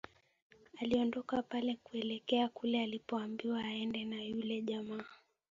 Aliondoka pale kuelekea kule alipoambiwa aende na yule jamaa